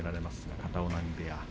片男波部屋。